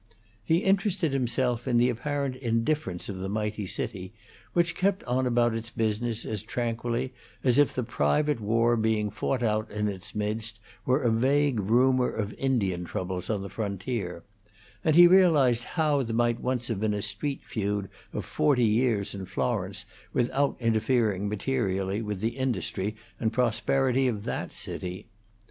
He interested himself in the apparent indifference of the mighty city, which kept on about its business as tranquilly as if the private war being fought out in its midst were a vague rumor of Indian troubles on the frontier; and he realized how there might once have been a street feud of forty years in Florence without interfering materially with the industry and prosperity of the city.